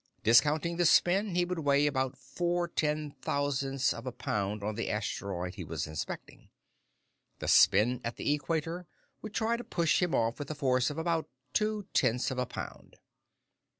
Discounting the spin, he would weigh about four ten thousandths of a pound on the asteroid he was inspecting. The spin at the equator would try to push him off with a force of about two tenths of a pound.